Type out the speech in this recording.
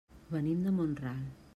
Venim de Mont-ral.